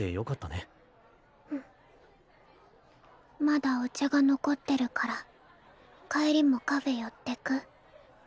まだお茶が残ってるから帰りもカフェ寄ってく？